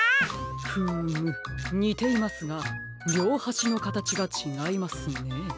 フームにていますがりょうはしのかたちがちがいますね。